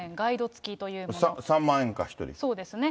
そうですね。